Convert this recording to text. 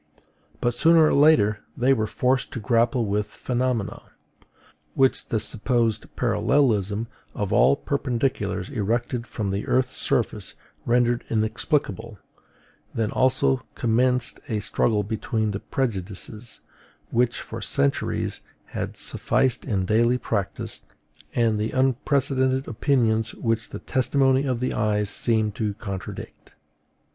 But sooner or later they were forced to grapple with phenomena, which the supposed parallelism of all perpendiculars erected from the earth's surface rendered inexplicable: then also commenced a struggle between the prejudices, which for centuries had sufficed in daily practice, and the unprecedented opinions which the testimony of the eyes seemed to contradict.